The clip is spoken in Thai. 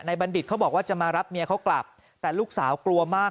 บัณฑิตเขาบอกว่าจะมารับเมียเขากลับแต่ลูกสาวกลัวมาก